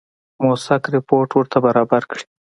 موثق رپوټ ورته برابر کړي.